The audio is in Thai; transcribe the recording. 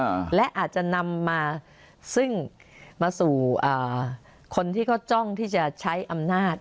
อ่าและอาจจะนำมาซึ่งมาสู่อ่าคนที่เขาจ้องที่จะใช้อำนาจ